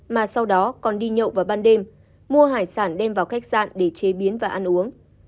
mà sau đó còn đi nhậu vào ban đêm mua hải sản đem vào khách sạn để chế biến và ăn uống